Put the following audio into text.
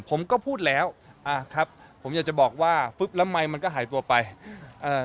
ผมก็พูดแล้วอ่าครับผมอยากจะบอกว่าฟึ๊บแล้วไมค์มันก็หายตัวไปเอ่อ